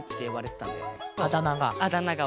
あだなが？